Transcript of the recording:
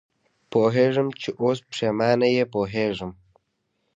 پوهېږم چې اوس پېښېمانه یې، پوهېږم.